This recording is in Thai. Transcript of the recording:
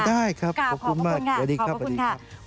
ได้ครับขอบคุณมากสวัสดีครับสวัสดีครับ